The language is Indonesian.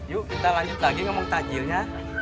yuk kita lanjut lagi ngomong tajilnya